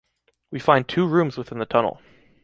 We find two rooms within the tunnel.